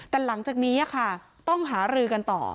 แต่หลังจากนี้ค่ะต้องหารือกันต่อ